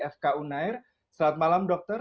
fkunair selamat malam dokter